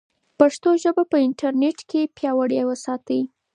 پښتو ژبه په انټرنیټ کې پیاوړې وساتئ.